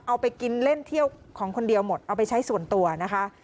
เอาไปกินเล่นเที่ยวของคนเดียวหมดเอาไปใช้ส่วนตัวนะคะ